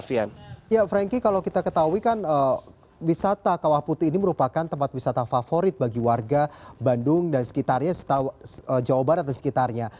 ya frankie kalau kita ketahui kan wisata kawah putih ini merupakan tempat wisata favorit bagi warga bandung dan sekitarnya jawa barat dan sekitarnya